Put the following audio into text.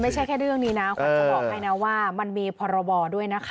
ไม่ใช่แค่เรื่องนี้นะขวัญจะบอกให้นะว่ามันมีพรบด้วยนะคะ